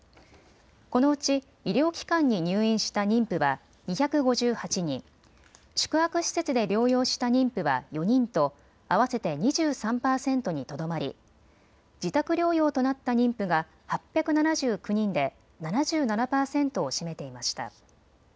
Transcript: このうち、医療機関に入院した妊婦は２５８人、宿泊施設で療養した妊婦は４人と、合わせて２３％にとどまり自宅療養となった妊婦が８７９人で７７％を占めていました。